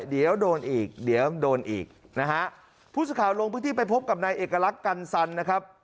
เดี๋ยวโดนอีกเดี๋ยวโดนอีกนะฮะผู้สื่อข่าวลงพื้นที่ไปพบกับนายเอกลักษณ์กันสันนะครับ